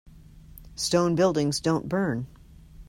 Stone buildings don't burn.